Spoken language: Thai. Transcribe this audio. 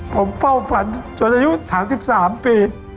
ผมเฝ้าฝันจนอายุ๓๓ปี